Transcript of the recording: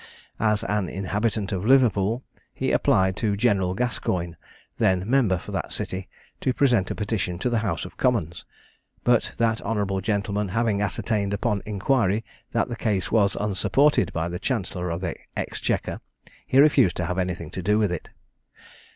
As an inhabitant of Liverpool, he applied to General Gascoyne, then member for that city, to present a petition to the house of commons; but that honourable gentleman having ascertained upon inquiry that the case was unsupported by the Chancellor of the Exchequer, he refused to have anything to do with it.